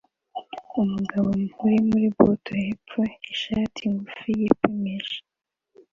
Umugabo uri muri buto hepfo ishati ngufi yipimisha